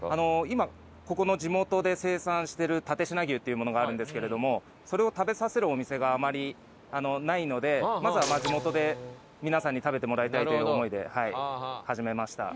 今ここの地元で生産してる蓼科牛っていうものがあるんですけれどもそれを食べさせるお店があまりないのでまずはまあ地元で皆さんに食べてもらいたいという思いで始めました。